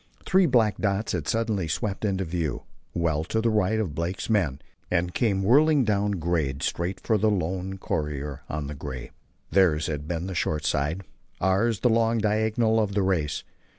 Three black dots had suddenly swept into view, well to the right of Blake's men, and came whirling down grade straight for the lone courier on the gray. Theirs had been the short side, ours the long diagonal of the race.